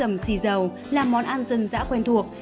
món bắp cải dầu là món ăn dân dã quen thuộc